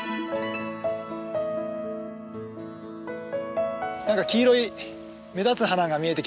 何か黄色い目立つ花が見えてきましたね。